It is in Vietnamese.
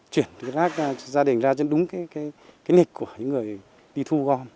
chuyển cái giác ra cho gia đình ra cho đúng cái nghịch của những người đi thu gom